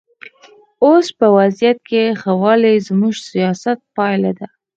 اوس په وضعیت کې ښه والی زموږ سیاست پایله ده.